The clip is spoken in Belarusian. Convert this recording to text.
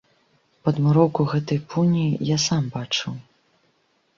Падмуроўку гэтай пуні я сам бачыў.